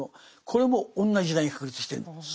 これも同じ時代に確立してるんです。